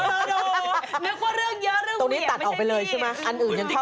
นึกว่าเรื่องเยอะเรื่องเหวี่ยงไม่ใช่นี่